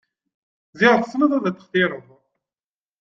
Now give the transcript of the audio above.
Ziɣ tessneḍ ad textireḍ.